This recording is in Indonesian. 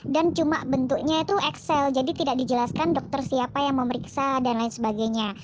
dan cuma bentuknya itu excel jadi tidak dijelaskan dokter siapa yang memeriksa dan lain sebagainya